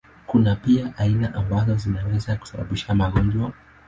Kuna pia aina ambazo zinaweza kusababisha magonjwa.